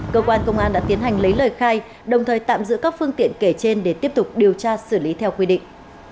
cơ quan công an đã tiến hành lấy lời khai đồng thời tạm giữ các phương tiện kể trên để tiếp tục điều tra xử lý theo quy định